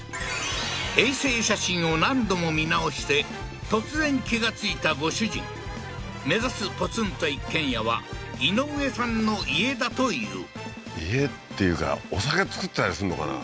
衛星写真を何度も見直して突然気がついたご主人目指すポツンと一軒家はイノウエさんの家だという家っていうかお酒造ってたりすんのかな？